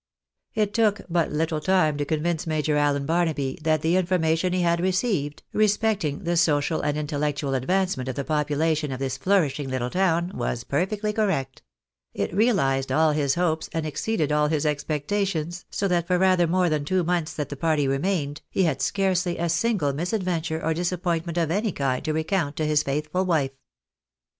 It took but little time to convince Major Allen Barnaby that tlie information he had received respecting the social and intellectual advancement of the population of this flourishing little town, was perfectly correct ; it realised all his hopes and exceeded all his expectations, so that for rather more than two months that the party remained, he had scarcely a single misadventure or disap pointment of any kind to recount to his faithful wife.